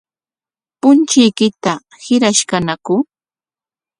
¿Punchuykita hirashqañaku?